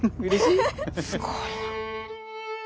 すごいな。